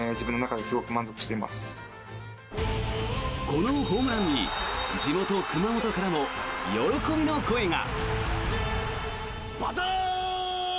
このホームランに地元・熊本からも喜びの声が。